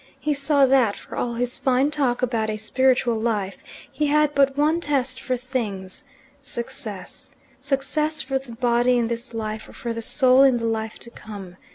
He saw that for all his fine talk about a spiritual life he had but one test for things success: success for the body in this life or for the soul in the life to come.